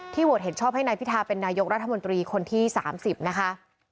โหวตเห็นชอบให้นายพิทาเป็นนายกรัฐมนตรีคนที่๓๐นะคะ